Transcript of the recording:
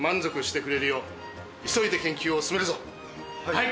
はい。